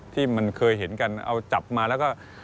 ที่มันเคยเห็นกันเอาจับมาแล้วก็